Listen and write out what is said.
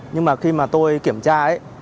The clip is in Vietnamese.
nhưng mà khi mà tôi kiểm tra ấy